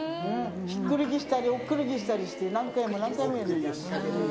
ひっくりげしたり、おっくりげしたりして、何回も何回もやらなきゃ。